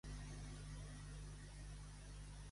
Què pensa Suides de Ferècides de Leros i d'Atenes?